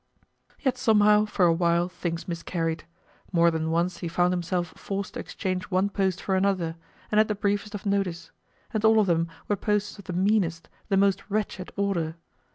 Yet somehow, for a while, things miscarried. More than once he found himself forced to exchange one post for another, and at the briefest of notice; and all of them were posts of the meanest, the most wretched, order.